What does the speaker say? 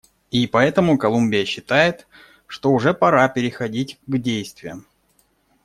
И поэтому Колумбия считает, что уже пора переходить к действиям.